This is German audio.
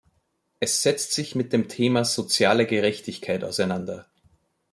Es setzt sich mit dem Thema Soziale Gerechtigkeit auseinander.